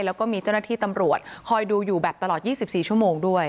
แล้วก็มีเจ้าหน้าที่ตำรวจคอยดูอยู่แบบตลอด๒๔ชั่วโมงด้วย